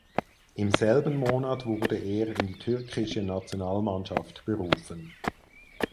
Im selben Monat wurde er in die türkische Nationalmannschaft berufen.